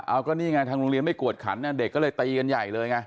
เอาก็นี่ไงทางโรงเรียนไม่กวดขันเด็กก็เลยตีกันใหญ่เลยไง